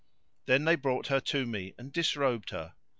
Then they brought her to me and disrobed her.